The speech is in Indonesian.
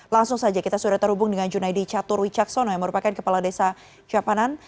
langsung saja kita sudah terhubung dengan junaidi catur wicaksono yang merupakan kepala desa siapanan